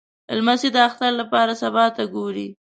لمسی د اختر لپاره سبا ته ګوري.